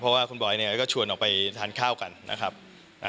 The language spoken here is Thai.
เพราะว่าคุณบอยเนี่ยก็ชวนออกไปทานข้าวกันนะครับ